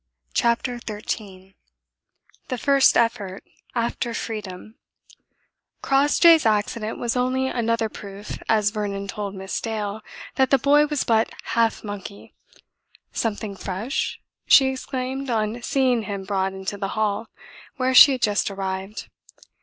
CHAPTER XIII THE FIRST EFFORT AFTER FREEDOM Crossjay's accident was only another proof, as Vernon told Miss Dale, that the boy was but half monkey. "Something fresh?" she exclaimed on seeing him brought into the Hall, where she had just arrived.